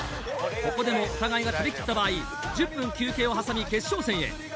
ここでもお互いが食べきった場合１０分休憩を挟み決勝戦へ。